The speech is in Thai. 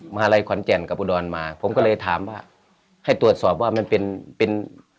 มหาลัยขอนแก่นกับอุดรมาผมก็เลยถามว่าให้ตรวจสอบว่ามันเป็นเป็น